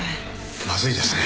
まずいですね。